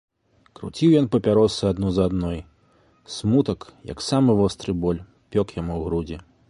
Круціў ён папяросы адну за адной, смутак, як самы востры боль, пёк яму грудзі.